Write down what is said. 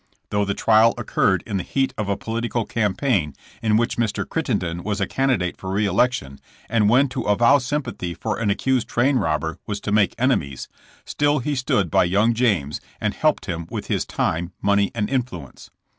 Though the trial occurred in the heat of a political campaign, in which Mr. Crittenden was a candidate for re election and when to avow sympathy for an accused train robber was to iaake enemies, still he stood by young James, and helped him with his time, money and influence.